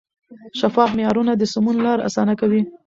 شفاف معیارونه د سمون لار اسانه کوي.